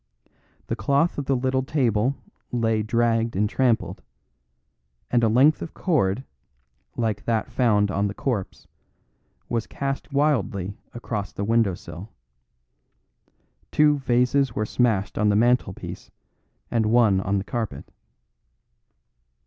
The cloth of the little table lay dragged and trampled, and a length of cord, like that found on the corpse, was cast wildly across the windowsill. Two vases were smashed on the mantelpiece and one on the carpet.